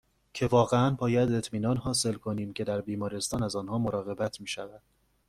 که واقعاً باید اطمینان حاصل کنیم که در بیمارستان از آنها مراقبت میشود